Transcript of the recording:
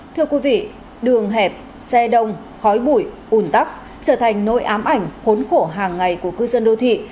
thưa quý vị đường hẹp xe đông khói bụi ủn tắc trở thành nỗi ám ảnh khốn khổ hàng ngày của cư dân đô thị